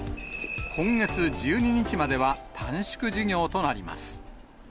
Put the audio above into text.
今月１２日までは短縮授業となります。